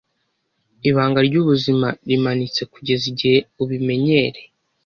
Ibanga ryubuzima rimanitse kugeza igihe ubimenyereye.